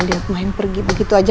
lihat main pergi begitu aja